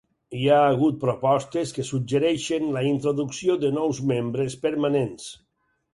Hi ha hagut propostes que suggereixen la introducció de nous membres permanents.